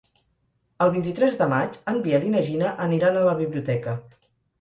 El vint-i-tres de maig en Biel i na Gina aniran a la biblioteca.